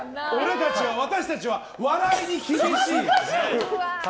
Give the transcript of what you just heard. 私たちは笑いに厳しい。